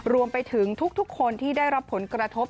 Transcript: รวมไปถึงทุกคนที่ได้รับผลกระทบ